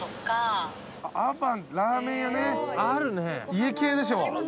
家系でしょ。